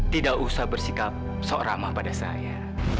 tidak usah bersikap sok ramah pada saya